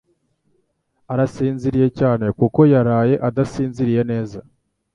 arasinziriye cyane, kuko yaraye adasinziriye neza.